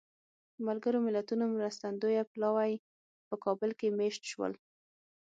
ملګرو ملتونو مرستندویه پلاوی په کابل کې مېشت شول.